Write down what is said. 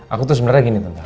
aku tuh sebenernya gini tante